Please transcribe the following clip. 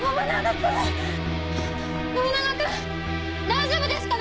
大丈夫ですか？